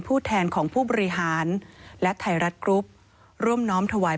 ผู้แทนของผู้บริหารและไทยรัฐกรุ๊ปร่วมน้อมถวาย